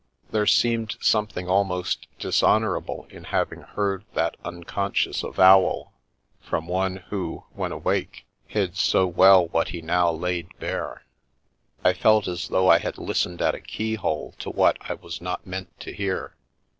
There seemed The Milky Way something almost dishonourable in having heard that un conscious avowal from one who, when awake, hid so well what he now laid bare; I felt as though I had lis tened at a key hole to what I was not meant to hear.